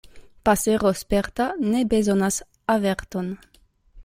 Pasero sperta ne bezonas averton.